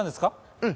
うん。